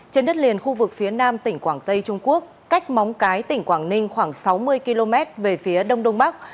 trên đất liền khu vực phía nam tỉnh quảng tây trung quốc cách móng cái tỉnh quảng ninh khoảng sáu mươi km về phía đông đông bắc